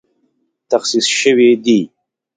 تخصیص شوې دي